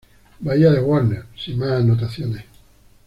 Bahía de Warner" sin más anotaciones.